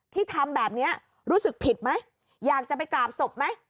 ทำแบบนี้รู้สึกผิดไหมอยากจะไปกราบศพไหม